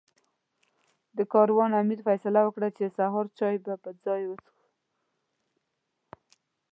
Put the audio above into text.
د کاروان امیر فیصله وکړه چې سهار چای یو ځای وڅښو.